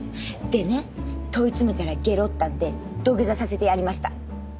でね問い詰めたらゲロったんで土下座させてやりました。